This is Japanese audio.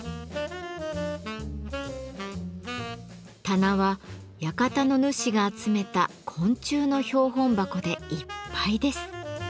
棚は館の主が集めた昆虫の標本箱でいっぱいです。